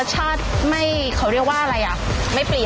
รสชาติไม่เขาเรียกว่าอะไร